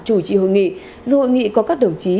chủ trì hội nghị dù hội nghị có các đồng chí